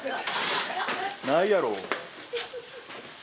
ないやろ。